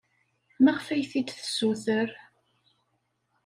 Maɣef ay t-id-tessuter?